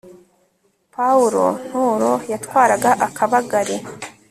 Paulo Nturo yatwaraga Akabagari